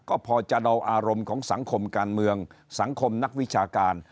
ก็พอจะเดาอารมณ์ของสังคมการเมืองสังคมนักวิชาการ